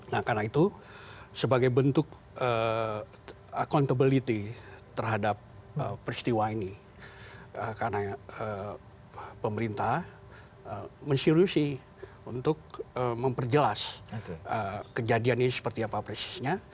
nah karena itu sebagai bentuk accountability terhadap peristiwa ini karena pemerintah mensurusi untuk memperjelas kejadian ini seperti apa persisnya